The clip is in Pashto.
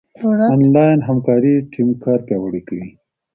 انلاين همکاري ټيم کار پياوړی کوي.